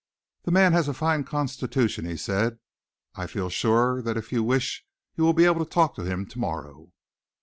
"The man has a fine constitution," he said. "I feel sure that if you wish you will be able to talk to him to morrow."